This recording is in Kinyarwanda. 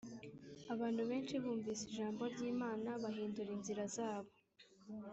Abantu benshi bumvise ijambo ry imana bahindura inzira zabo